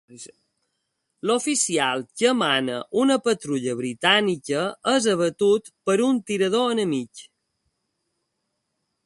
L'oficial que mana una patrulla britànica és abatut per un tirador enemic.